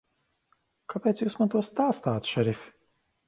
Kāpēc Jūs man to stāstāt, šerif?